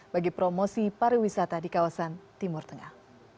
bagi promosi pariwisata di kawasan timur tengah